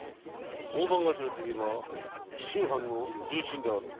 大番頭といえば紀州藩の重臣であろう。